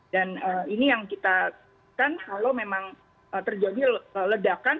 ini yang kita kan kalau memang terjadi ledakan